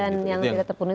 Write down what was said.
dan yang tidak terpenuhi